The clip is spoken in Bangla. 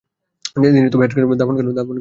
তিনি হেনরিকে দাফন করেন ও বক্তব্য রাখেন।